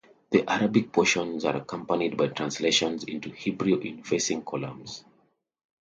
The Arabic portions are accompanied by translations into Hebrew in facing columns.